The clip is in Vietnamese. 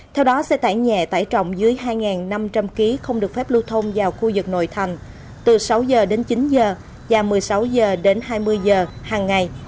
theo đó xe tải nhẹ tải trọng dưới hai năm trăm linh ký không được phép lưu thông vào khu vực nội thành từ sáu h đến chín giờ và một mươi sáu h đến hai mươi giờ hàng ngày